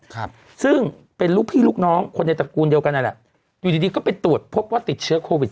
ครับซึ่งเป็นลูกพี่ลูกน้องคนในตระกูลเดียวกันนั่นแหละอยู่ดีดีก็ไปตรวจพบว่าติดเชื้อโควิด